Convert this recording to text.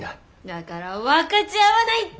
だから分かち合わないって！